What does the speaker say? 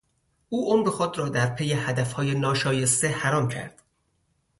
او عمر خود را در پی هدفهای ناشایسته حرام کرد.